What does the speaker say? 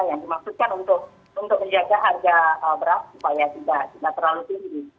yang dimaksudkan untuk menjaga harga beras supaya tidak terlalu tinggi